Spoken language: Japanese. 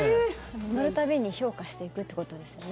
乗る度に評価していくってことですよね